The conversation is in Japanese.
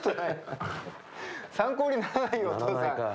参考にならないよお父さん。